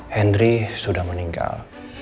henry sudah meninggal